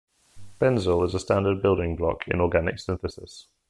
Benzil is a standard building block in organic synthesis.